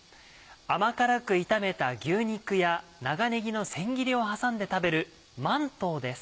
甘辛く炒めた牛肉や長ねぎの千切りを挟んで食べる「まんとう」です。